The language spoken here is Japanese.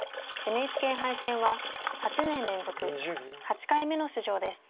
ＮＨＫ杯戦は８年連続８回目の出場です。